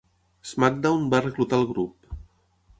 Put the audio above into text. SmackDown va reclutar el grup.